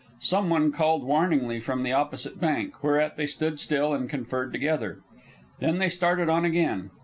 Some one called warningly from the opposite bank, whereat they stood still and conferred together. Then they started on again.